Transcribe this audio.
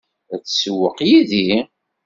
Ad tsewweq yid-i?